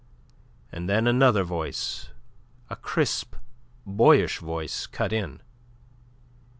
And then another voice, a crisp, boyish voice, cut in.